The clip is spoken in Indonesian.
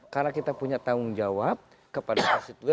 karena kita punya tanggung jawab kepada pks itu